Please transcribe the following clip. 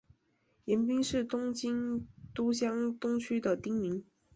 盐滨是东京都江东区的町名。